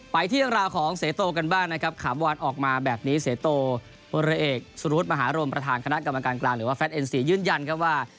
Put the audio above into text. ไปที่ราวของเศรษฐกันบ้างนะครับขาบวานออกมาแบบนี้เศรษฐผู้ระเอกสุรุธมหารมประธานคณะกรรมการกลางหรือว่าแฟทเอ็นซียื้นยันว่า